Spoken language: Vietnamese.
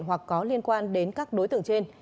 hoặc có liên quan đến các đối tượng trên